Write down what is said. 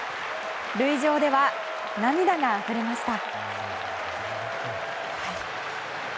塁上では、涙があふれました。